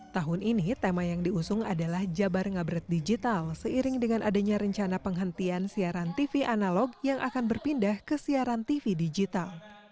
tahun ini tema yang diusung adalah jabar ngabret digital seiring dengan adanya rencana penghentian siaran tv analog yang akan berpindah ke siaran tv digital